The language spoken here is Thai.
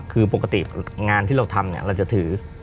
คือปกติงานที่เราทำเนี่ยเราจะถือ